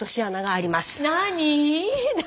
何？